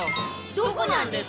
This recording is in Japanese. どこなんです？